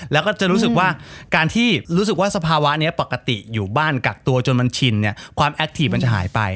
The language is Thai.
แล้วก็จะรู้สึกว่าการที่รู้สึกว่าสภาวะนี้ปกติอยู่บ้านกักตัวจนมันชินเนี่ยความแอคทีฟมันจะหายไป